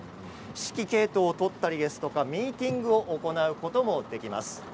指揮系統を取ったりですとかミーティングを行うこともできます。